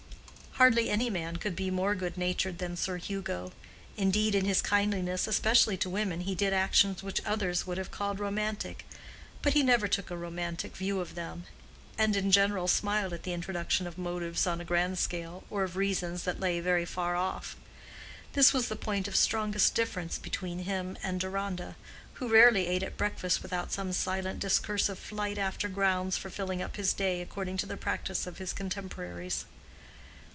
Hardly any man could be more good natured than Sir Hugo; indeed in his kindliness especially to women, he did actions which others would have called romantic; but he never took a romantic view of them, and in general smiled at the introduction of motives on a grand scale, or of reasons that lay very far off. This was the point of strongest difference between him and Deronda, who rarely ate at breakfast without some silent discursive flight after grounds for filling up his day according to the practice of his contemporaries.